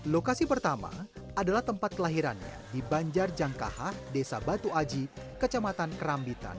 lokasi pertama adalah tempat kelahirannya di banjarjangkahan desa batu aji kecamatan keramitan